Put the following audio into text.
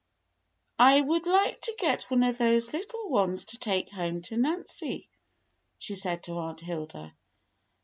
"I would like to get one of those little ones to take home to Nancy," she said to Aunt Hilda.